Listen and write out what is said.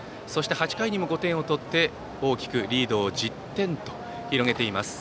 ８回にも５点を取って大きくリードを１０点と広げています。